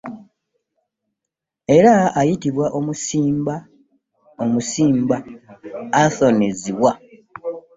Era ayitibwa omusimba Anthony Zziwa